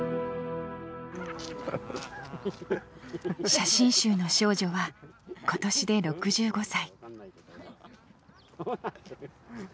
写真集の少女は今年で６５歳。